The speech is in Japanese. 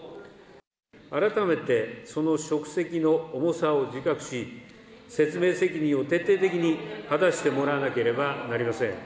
改めてその職責の重さを自覚し、説明責任を徹底的に果たしてもらわなければなりません。